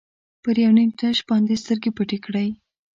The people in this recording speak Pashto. پر نیم تش باندې سترګې پټې کړئ.